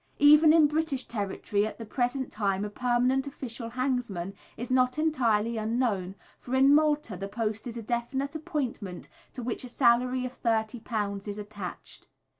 Even in British territory at the present time a permanent official hangsman is not entirely unknown, for in Malta the post is a definite appointment, to which a salary of £30 is attached.